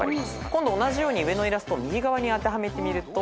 今度同じように上のイラスト右側に当てはめてみると。